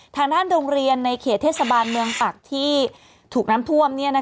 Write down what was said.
ฐานดรในเขตเทศบาลเมืองปักที่ถูกน้ำท่วม